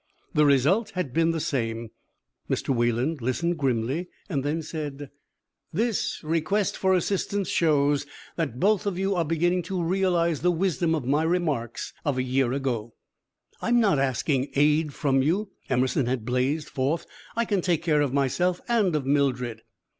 The result had been the same. Mr. Wayland listened grimly, then said: "This request for assistance shows that both of you are beginning to realize the wisdom of my remarks of a year ago." "I'm not asking aid from you," Emerson had blazed forth. "I can take care of myself and of Mildred."